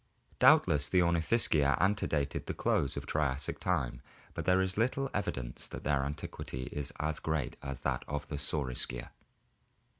Doubtless the Ornithischia antedated the close of Triassic time, but there is little evidence that their antiquity is as great as that of the Saurischia.